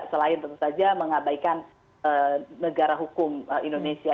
selain tentu saja mengabaikan negara hukum indonesia